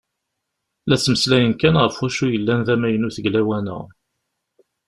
La ttmeslayen kan ɣef wacu yellan d amaynut deg lawan-a.